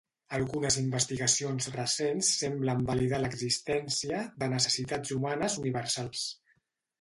Algunes investigacions recents semblen validar l'existència de necessitats humanes universals.